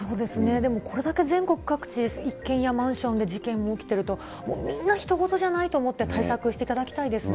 でもこれだけ全国各地、一軒家、マンションで事件が起きていると、みんなひと事じゃないと思って対策していただきたいですね。